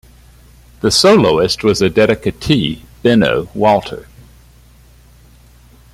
The soloist was the dedicatee Benno Walter.